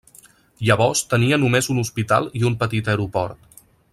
Llavors tenia només un hospital i un petit aeroport.